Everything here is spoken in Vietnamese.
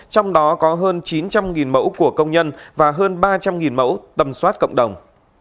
trong đó có hơn chín trăm linh mẫu của công nhân và hơn ba trăm linh mẫu tâm soát cộng đồng